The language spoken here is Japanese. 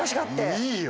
いいいよ！